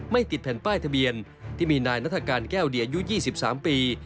ไม่ติดแผ่นป้ายทะเบียนที่มีนายนัทการแก้วเดียยูยี่สิบสามปี